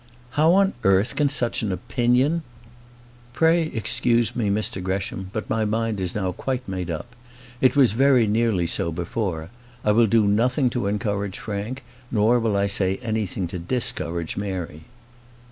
"How on earth can such an opinion " "Pray excuse me, Mr Gresham; but my mind is now quite made up. It was very nearly so before. I will do nothing to encourage Frank, nor will I say anything to discourage Mary."